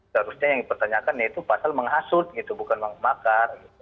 seharusnya yang dipertanyakan itu pasal menghasut bukan mengmakar